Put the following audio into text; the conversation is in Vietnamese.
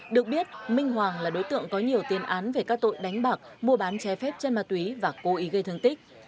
được biết minh hoàng là đối tượng có nhiều tiên án về các tội đánh bạc mua bán che phép trên mặt túy và cố ý gây thương tích